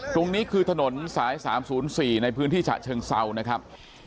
ตรงนี้คือถนนสาย๓๐๔ในพื้นที่ฉะเชิงเซานะครับ